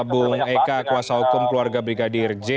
bung eka kuasa hukum keluarga brigadir j